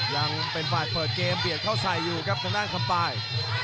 ยังเป็นฝ่ายเปิดเกมเบียดเข้าใส่อยู่ครับทางด้านคำปาย